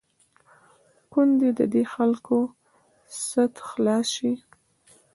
کوندي د دې خلکو سد خلاص شي.